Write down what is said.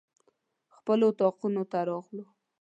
خپلو اطاقونو ته راغلو.